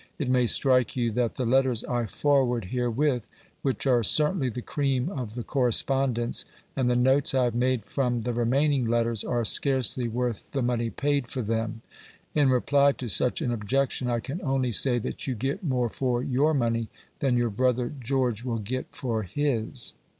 It may strike you that the letters I forward herewith, which are certainly the cream of the correspondence, and the notes I have made from the remaining letters, are scarcely worth the money paid for them. In reply to such an objection, I can only say that you get more for your money than your brother George will get for his.